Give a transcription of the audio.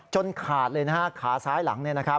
จนขาดเลยนะครับขาซ้ายหลัง